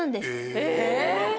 え！